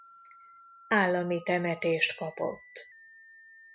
Állami temetést kapott.